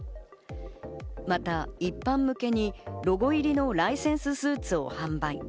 また一般向けにロゴ入りのライセンススーツを販売。